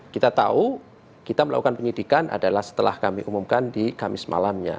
kita tahu kita melakukan penyidikan adalah setelah kami umumkan di kamis malamnya